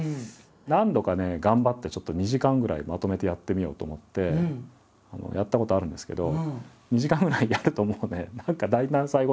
何度かね頑張ってちょっと２時間ぐらいまとめてやってみようと思ってやったことあるんですけど。